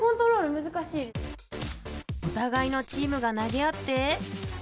おたがいのチームが投げ合って。